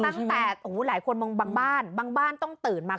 ตั้งแต่หลายคนมองบางบ้านบางบ้านต้องตื่นมา